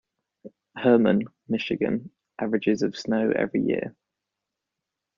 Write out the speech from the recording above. Herman, Michigan, averages of snow every year.